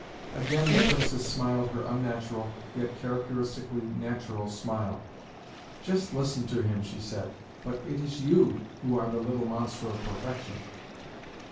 Again the Princess smiled her unnatural, yet characteristically natural, smile. "Just listen to him!" she said. "But it is YOU who are the little monster of perfection."